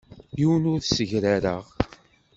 Yiwen ur t-ssegrareɣ.